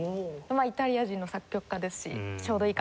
イタリア人の作曲家ですしちょうどいいかなと思って。